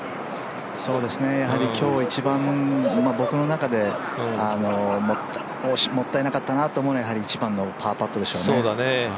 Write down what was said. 今日、一番僕の中でもったいなかったなと思うのは１番のパーパットでしたね。